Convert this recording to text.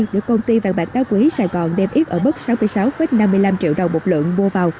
được công ty vàng bạc đá quý sài gòn đem ít ở mức sáu mươi sáu năm mươi năm triệu đồng một lượng mua vào